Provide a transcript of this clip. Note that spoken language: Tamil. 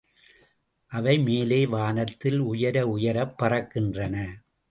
அவை மேலே வானத்தில் உயர உயரப் பறக்கின்றன.